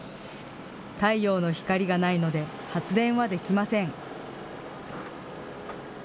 太陽の光がないので、発電はできません。